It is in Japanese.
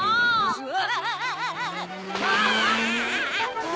うわ！